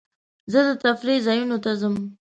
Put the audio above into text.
زه د تفریح ځایونو ته ځم.